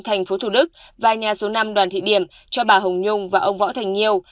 thành phố thủ đức và nhà số năm đoàn thị điểm cho bà hồng nhung và ông võ thành nhiều